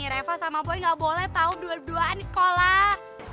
reva sama boy gak boleh tau berduaan di sekolah